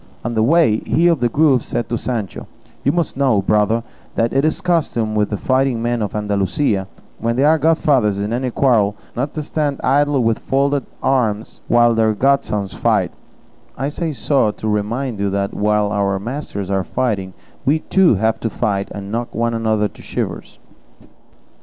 On the way, he of the Grove said to Sancho, "You must know, brother, that it is the custom with the fighting men of Andalusia, when they are godfathers in any quarrel, not to stand idle with folded arms while their godsons fight; I say so to remind you that while our masters are fighting, we, too, have to fight, and knock one another to shivers."